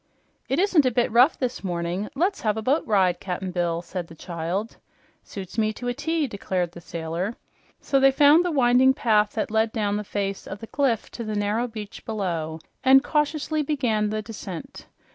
"It isn't a bit rough this morning. Let's have a boat ride, Cap'n Bill," said the child. "Suits me to a T," declared the sailor. So they found the winding path that led down the face of the cliff to the narrow beach below and cautiously began the descent.